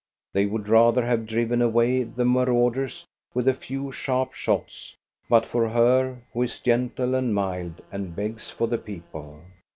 They would rather have driven away the marauders with a few sharp shots, but for her, who is gentle and mild and begs for the people.